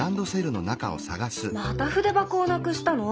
また筆箱をなくしたの？